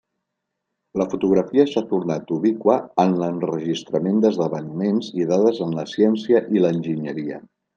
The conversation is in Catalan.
La fotografia s'ha tornat ubiqua en l'enregistrament d'esdeveniments i dades en la ciència i l'enginyeria.